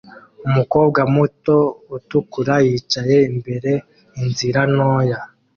Umukobwa muto utukura yicaye imbere inzira ntoya